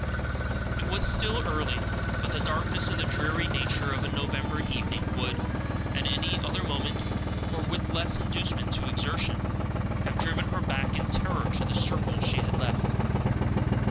It was still early, but the darkness and the dreary nature of a November evening would, at any other moment, or with less inducement to exertion, have driven her back in terror to the circle she had left.